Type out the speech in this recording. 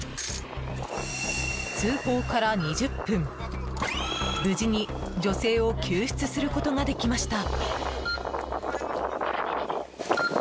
通報から２０分、無事に女性を救出することができました。